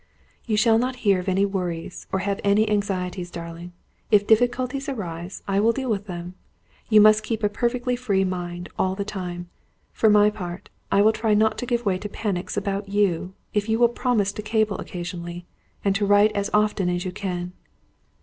"You shall not hear of any worries, or have any anxieties, darling. If difficulties arise, I will deal with them. You must keep a perfectly free mind, all the time. For my part, I will try not to give way to panics about you, if you will promise to cable occasionally, and to write as often as you can."